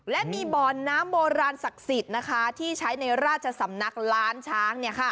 และมีบ่อนน้ำโบราณศักดิ์สิทธิ์ที่ใช้ในราชสำนักล้านช้าง